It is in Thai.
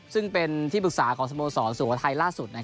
ซึ่งเป็นที่ปรึกษาของสโมสรสุโขทัยล่าสุด